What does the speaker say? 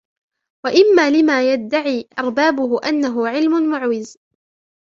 وَإِمَّا لِمَا يَدَّعِي أَرْبَابُهُ أَنَّهُ عِلْمٌ مُعْوِزٌ